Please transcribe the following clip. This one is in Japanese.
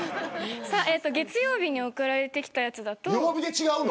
月曜日に送られてきたやつだと。